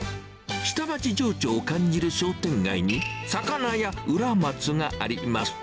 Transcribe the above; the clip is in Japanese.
下町情緒を感じる商店街に、さかなやうらまつがあります。